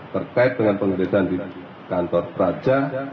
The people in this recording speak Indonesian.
terkait dengan penggeledahan di kantor praja